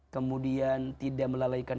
kemudian tidak melalaikan